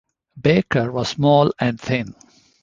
Baker was small and thin.